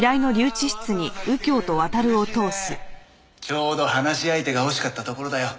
ちょうど話し相手が欲しかったところだよ。